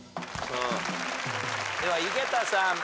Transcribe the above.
では井桁さん。